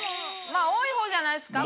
多い方じゃないですか？